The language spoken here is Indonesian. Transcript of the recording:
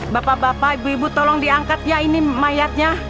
bapak bapak ibu ibu tolong diangkat ya ini mayatnya